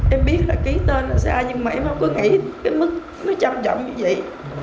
em biết là ký tên là xa nhưng mà em không có nghĩ tới mức nó chậm chậm như vậy